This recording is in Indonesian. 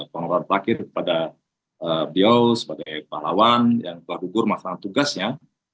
pengeluaran terakhir kepada beliau sebagai pahlawan yang telah gugur melaksanakan tugasnya